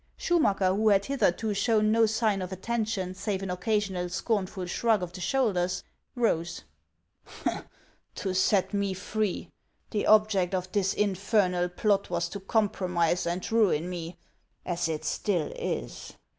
Schumacker, who had hitherto shown no sign of atten tion save an occasional scornful shrug of the shoulders, rose :" To set me free ! The object of this infernal plot was to compromise and ruin me, as it still is.